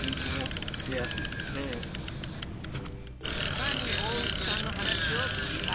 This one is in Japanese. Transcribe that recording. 更に大内さんの話を聞いた。